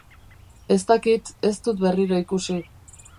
Ez dakit, ez dut berriro ikusi.